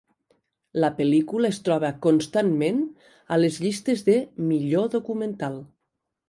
La pel·lícula es troba constantment a les llistes de "millor documental".